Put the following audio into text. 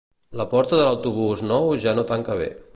La porta de l'autobús nou ja no tanca bé